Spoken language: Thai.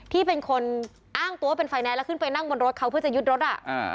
ที่เป็นคนอ้างตัวเป็นไฟแนนซ์แล้วขึ้นไปนั่งบนรถเขาเพื่อจะยึดรถอ่ะอ่า